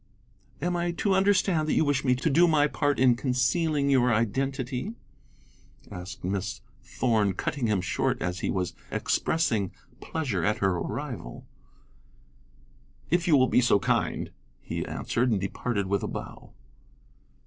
"Am I to understand that you wish me to do my part in concealing your identity?" asked Miss Thorn, cutting him short as he was expressing pleasure at her arrival. "If you will be so kind," he answered, and departed with a bow.